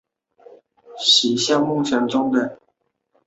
镇政府驻镇江圩。